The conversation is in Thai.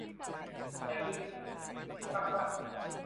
ไรรึ ที่พักป่ะ ?